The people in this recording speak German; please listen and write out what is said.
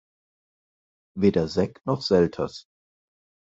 Weder Sekt noch Selters.